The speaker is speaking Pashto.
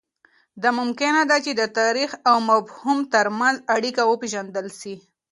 دا ممکنه ده چې د تاریخ او مفهوم ترمنځ اړیکه وپېژندل سي.